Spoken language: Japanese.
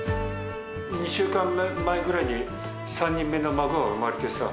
２週間前ぐらいに、３人目の孫が産まれてさ。